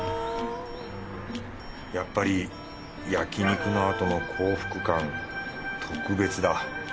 やっぱり焼き肉のあとの幸福感特別だ。